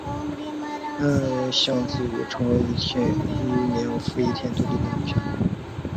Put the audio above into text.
莫涵希望有一天自己能够成为一名飞天遁地的女侠。